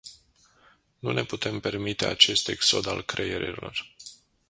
Nu ne putem permite acest exod al creierelor.